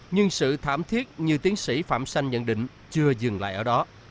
nhưng sự thảm thiết như tiến sĩ phạm xanh nhận định chưa dừng lại ở đó